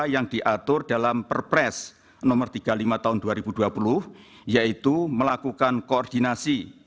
yang diatur dalam perpres nomor tiga puluh lima tahun dua ribu dua puluh yaitu melakukan koordinasi